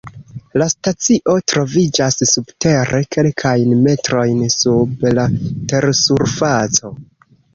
La stacio troviĝas subtere kelkajn metrojn sub la tersurfaco.